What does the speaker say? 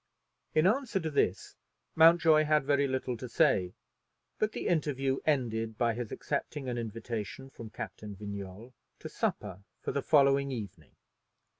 In answer to this, Mountjoy had very little to say: but the interview ended by his accepting an invitation from Captain Vignolles to supper for the following evening.